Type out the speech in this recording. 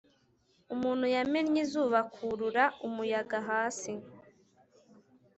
umuntu yamennye izuba, akurura umuyaga hasi.